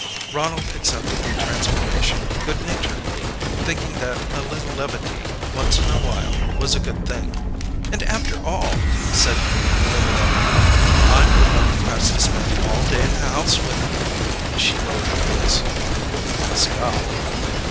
Ronald accepted the transformation good naturedly, thinking that a little levity, once in a while, was a good thing. "And after all," said Corinne later that evening, "I'm the one who has to spend all day in the house with ..." She lowered her voice: "With Pascal."